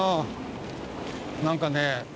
何かね